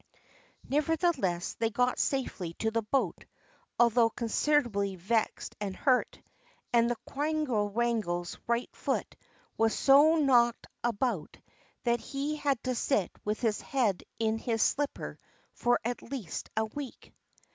Nevertheless, they got safely to the boat, although considerably vexed and hurt; and the quangle wangle's right foot was so knocked about that he had to sit with his head in his slipper for at least a week.